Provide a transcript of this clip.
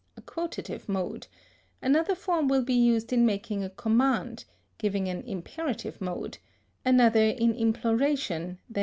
_, a quotative mode; another form will be used in making a command, giving an imperative mode; another in imploration, _i.